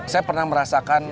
saya pernah merasakan